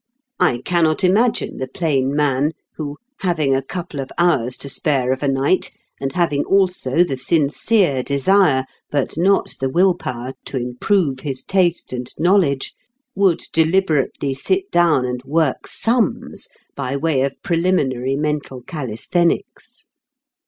I cannot imagine the plain man who, having a couple of hours to spare of a night, and having also the sincere desire but not the will power to improve his taste and knowledge, would deliberately sit down and work sums by way of preliminary mental calisthenics.